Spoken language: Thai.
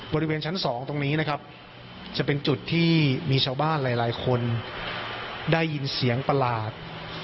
บริเวณชั้น๒ตรงนี้นะครับจะเป็นจุดที่มีชาวบ้านหลายคนได้ยินเสียงประหลาด